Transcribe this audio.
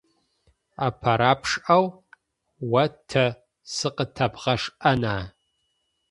АпэрапшӀэу о тэ зыкъытэбгъэшӀэна ?